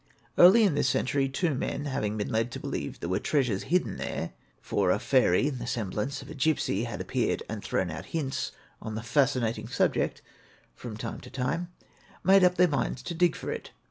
Early in this century, two men having been led to believe that there were treasures hidden there (for a fairy in the semblance of a gipsy had appeared and thrown out hints on the fascinating subject from time to time), made up their minds to dig for it.